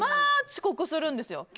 遅刻するんですよ。